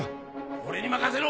俺に任せろ！